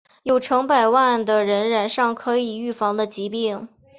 有成百万的人染上可以预防的疾病。